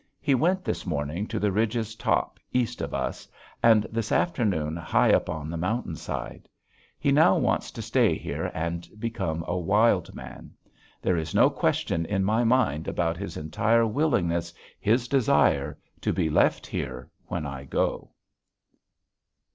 He went this morning to the ridge's top east of us, and this afternoon high up on the mountain side. He now wants to stay here and become a wild man. There is no question in my mind about his entire willingness, his desire, to be left here when I go.